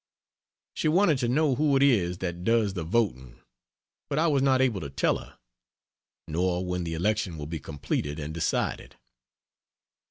She wanted to know who it is that does the voting, but I was not able to tell her. Nor when the election will be completed and decided.